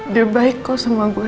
dia baik kok sama gue